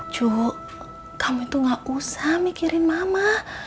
cu kamu tuh gak usah mikirin mama